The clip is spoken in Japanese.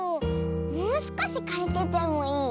もうすこしかりててもいい？